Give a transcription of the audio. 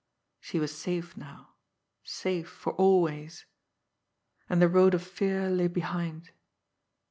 She was safe now, safe for always and the road of fear lay behind.